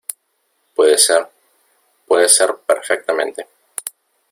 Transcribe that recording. puede ser. puede ser perfectamente,